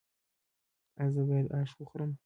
ایا زه باید اش وخورم؟